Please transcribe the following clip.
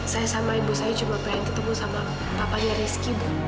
saya sama ibu saya cuma pengen ketemu sama papanya rizky bu